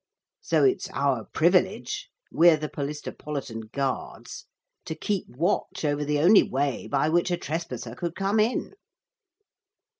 So it's our privilege we're the Polistopolitan guards to keep watch over the only way by which a trespasser could come in.'